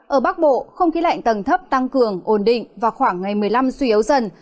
ở bắc bộ không khí lạnh tầng thấp tăng cường ổn định và khoảng ngày một mươi năm suy yếu dần